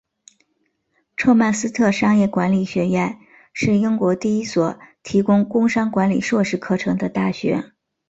曼彻斯特商业管理学院是英国第一所提供工商管理硕士课程的大学。